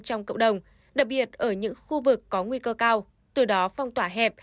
trong cộng đồng đặc biệt ở những khu vực có nguy cơ cao từ đó phong tỏa hẹp